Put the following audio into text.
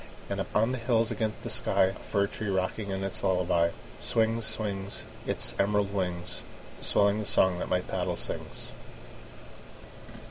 And up on the hills against the sky, A fir tree rocking its lullaby, Swings, swings, Its emerald wings, Swelling the song that my paddle sings.